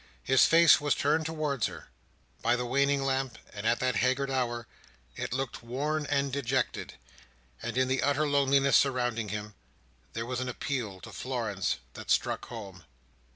His face was turned towards her. By the waning lamp, and at that haggard hour, it looked worn and dejected; and in the utter loneliness surrounding him, there was an appeal to Florence that struck home.